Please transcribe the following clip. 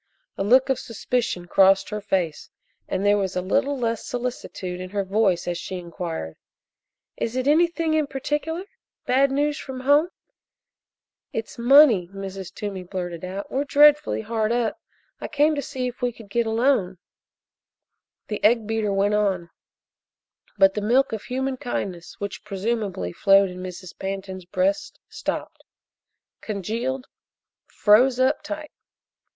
A look of suspicion crossed her face, and there was a little less solicitude in her voice as she inquired: "Is it anything in particular? Bad news from home?" "It's money!" Mrs. Toomey blurted out. "We're dreadfully hard up. I came to see if we could get a loan." The egg beater went on, but the milk of human kindness which, presumably, flowed in Mrs. Pantin's breast stopped congealed froze up tight.